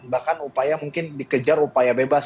bahkan upaya mungkin dikejar upaya bebas